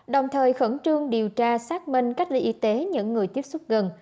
đồng thời khẩn trương điều tra xác minh cách ly y tế những người tiếp xúc gần